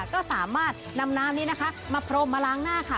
ก็สามารถนำน้ำนี้นะคะมาพรมมาล้างหน้าค่ะ